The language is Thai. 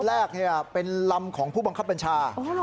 แล้วก็เรียกเพื่อนมาอีก๓ลำ